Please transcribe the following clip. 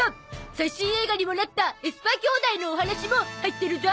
最新映画にもなったエスパー兄妹のお話も入ってるゾ！